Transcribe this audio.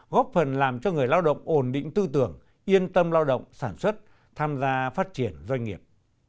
góp phần làm cho người lao động ổn định tư tưởng yên tâm lao động sản xuất tham gia phát triển doanh nghiệp